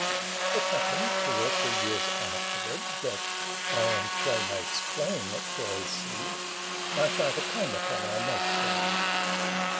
It happened, two or three years afterward. That— I and playmates playing at Troy's Siege— FANCIES AND FACTS 125 My Father came upon our make believe.